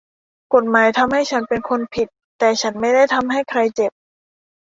กฎหมายทำให้ฉันเป็นคนผิดแต่ฉันไม่ได้ทำให้ใครเจ็บ